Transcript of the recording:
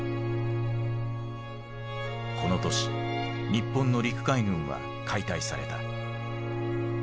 この年日本の陸海軍は解体された。